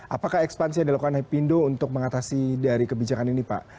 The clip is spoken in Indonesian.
apakah ekspansi yang dilakukan hepindo untuk mengatasi dari kebijakan ini pak